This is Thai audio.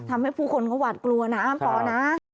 ทำให้ผู้คนเขาหวาดกลัวนะปอนะ